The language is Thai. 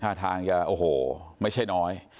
ท่าทางจะโอ้โหไม่ใช่น้อย